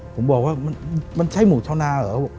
ผมต้องคิดว่ามันใช่หมู่ชาวนาหรอ